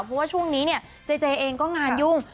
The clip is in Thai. เพราะว่าช่วงนี้เนี่ยเจเจเองก็งานยุ่ง